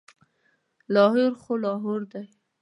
لاهور خو لاهور دی.